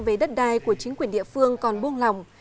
về đất đai của chính quyền địa phương còn buông lòng